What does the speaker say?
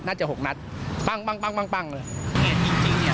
น่าจะหกนัดปั้งปั้งปั้งปั้งเลยจริงจริงเนี้ยปัญหาจริงจริงเนี้ย